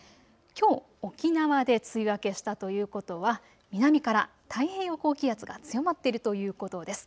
きょう沖縄で梅雨明けしたということは南から太平洋高気圧が強まっているということです。